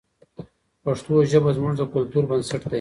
پښتو ژبه زموږ د کلتور بنسټ دی.